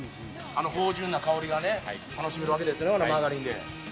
あの芳醇な香りがね楽しめるわけですねマーガリンで。